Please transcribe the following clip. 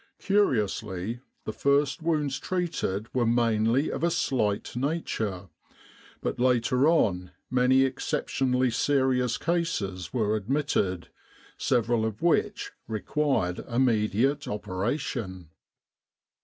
Curiously, the first wounds treated were mainly of a slight nature, but later on many excep tionally serious cases were admitted, several of which required immediate operation.